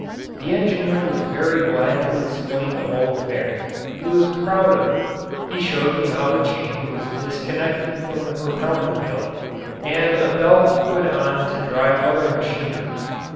The engineer was very glad to explain the whole affair. He was proud of it. He showed me how the chain was disconnected from the propelling wheel and a belt put on to drive other machinery.